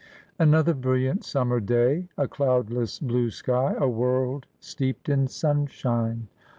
Another brilliant summer day, a cloudless blue sky, a world steeped in sunshine.